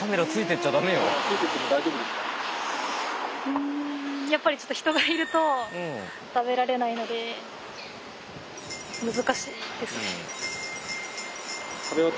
うんやっぱりちょっと人がいると食べられないので難しいですね。